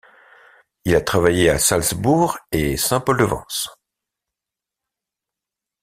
Il a travaillé à Salzbourg et Saint-Paul-de-Vence.